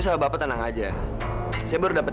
sekarang gue gak butuh duit